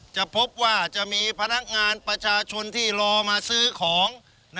จะพบว่าจะมีพนักงานประชาชนที่รอมาซื้อของ